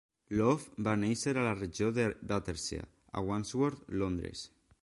Love va néixer a la regió de Battersea, a Wandsworth, Londres.